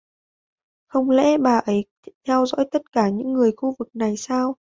Không lẽ bà ấy theo dõi tất cả những người khu vực này sao